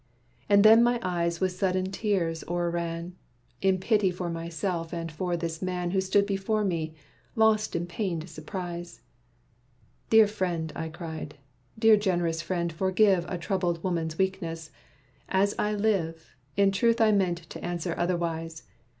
And then my eyes with sudden tears o'erran, In pity for myself and for this man Who stood before me, lost in pained surprise. "Dear friend," I cried, "Dear generous friend forgive A troubled woman's weakness! As I live, In truth I meant to answer otherwise.